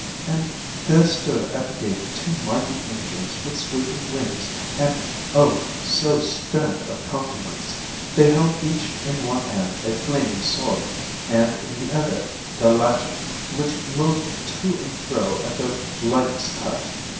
And there stood at the gate two mighty angels with sweeping wings, and, oh! so stern of countenance. They held each in one hand a flaming sword, and in the other the latchet, which moved to and fro at their lightest touch.